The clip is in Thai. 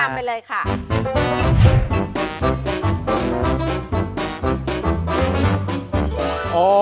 พี่พี่นำไปเลยค่ะ